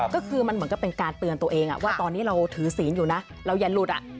ก็คือมันเหมือนกับเป็นการเตือนตัวเองว่าตอนนี้เราถือศีลอยู่นะเราอย่าหลุด